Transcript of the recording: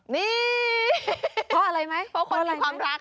เพราะอะไรไหม